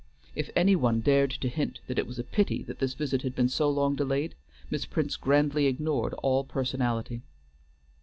If any one dared to hint that it was a pity this visit had been so long delayed, Miss Prince grandly ignored all personality.